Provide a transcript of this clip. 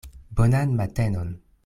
Bonan matenon!